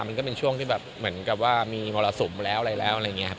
มันก็เป็นช่วงที่เหมือนกันว่ามีมลสุมเร็วอะไรรอบ